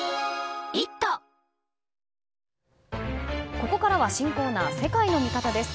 ここからは新コーナー世界のミカタです。